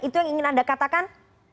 itu yang ingin anda katakan